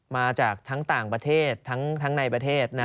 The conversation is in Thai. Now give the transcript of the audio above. มาจากทั้งต่างประเทศทั้งในประเทศนะ